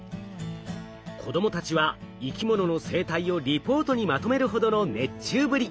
子どもたちは生き物の生態をリポートにまとめるほどの熱中ぶり。